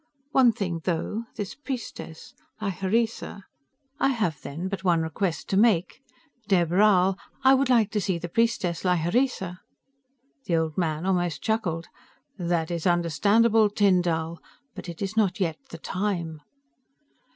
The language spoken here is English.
One thing, though this priestess Lhyreesa ... "I have, then, but one request to make, Dheb Rhal, I would like to see the priestess Lhyreesa." The old man almost chuckled, "That is understandable, Tyn Dall, but it is not yet The Time."